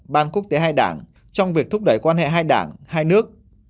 ban quốc tế hai đảng trong việc thúc đẩy quan hệ hai đảng hai nước